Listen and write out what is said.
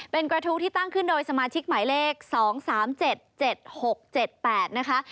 เป็นกระทู้ที่ตั้งขึ้นโดยสมาชิกหมายเลข๒๓๗๗๖๗๘นะคะ